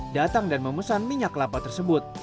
datang dan memesan minyak kelapa tersebut